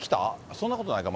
そんなことないか？